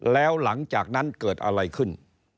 แล้วหลังจากนั้นเกิดอะไรขึ้น